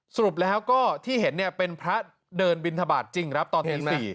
สรุปแล้วก็ที่เห็นเป็นพระเดินบินทบาทจริงครับตอนตี๔